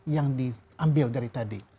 yang diambil dari tadi